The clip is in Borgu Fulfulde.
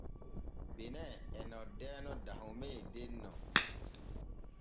Benin e noddeeno Dahome denno.